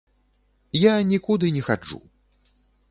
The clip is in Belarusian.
Я нікуды не хаджу.